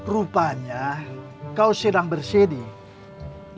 rupanya kau sedang bersedih